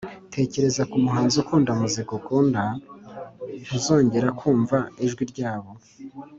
tekereza ku muhanzi ukunda umuziki ukunda, ntuzongera kumva ijwi ryabo…